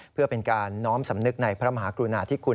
เพื่อเป็นการน้อมสำนึกในพระมหากรุณาธิคุณ